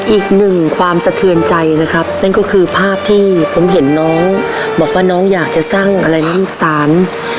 อีกหนึ่งความสะเทือนใจนะครับนั่นก็คือภาพที่ผมเห็นน้องบอกว่าน้องอยากจะสร้างอะไรนะลูกสาม